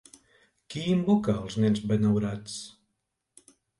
Qui invoca els nens benaurats?